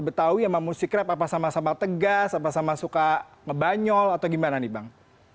betawi sama musik rap apa sama sama tegas apa sama suka ngebanyol atau gimana nih bang